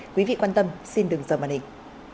quý vị quan tâm xin đừng dờ màn hình